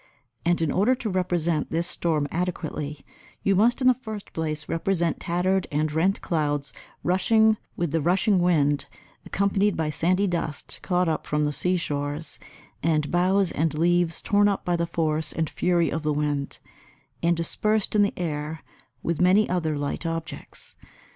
And in order to represent this storm adequately, you must in the first place represent tattered and rent clouds rushing with the rushing wind, accompanied by sandy dust caught up from the seashores, and boughs and leaves torn up by the force and fury of the wind, and dispersed in the air with many other light objects.